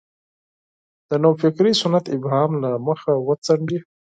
د نوفکرۍ سنت ابهام له مخه وڅنډي.